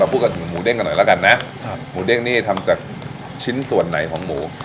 พูดกันถึงหมูเด้งกันหน่อยแล้วกันนะครับหมูเด้งนี่ทำจากชิ้นส่วนไหนของหมู